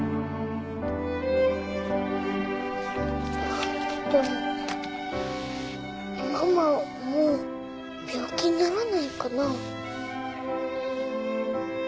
あっでもママはもう病気にならないかな。